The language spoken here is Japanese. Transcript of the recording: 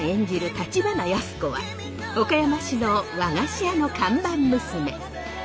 橘安子は岡山市の和菓子屋の看板娘。